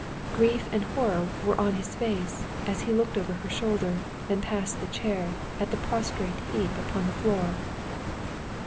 Grief and horror were on his face, as he looked over her shoulder, and past the chair, at the prostrate heap upon the floor."